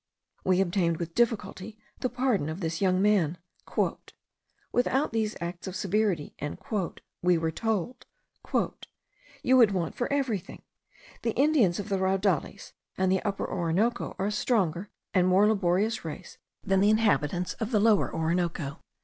We obtained with difficulty the pardon of this young man. "Without these acts of severity," we were told, "you would want for everything. The Indians of the Raudales and the Upper Orinoco are a stronger and more laborious race than the inhabitants of the Lower Orinoco.